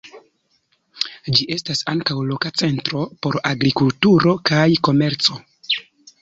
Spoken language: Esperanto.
Ĝi estas ankaŭ loka centro por agrikulturo kaj komerco.